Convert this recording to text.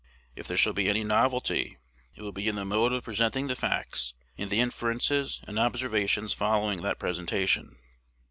If there shall be any novelty, it will be in the mode of presenting the facts, and the inferences and observations following that presentation.